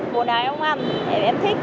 bồn nào em không ăn thì em thích